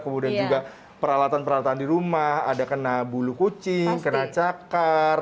kemudian juga peralatan peralatan di rumah ada kena bulu kucing kena cakar